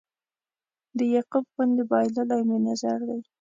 د یعقوب غوندې بایللی مې نظر دی